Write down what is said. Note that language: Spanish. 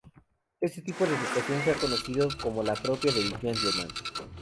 Este tipo de educación se ha conocido como la propia del "gentleman".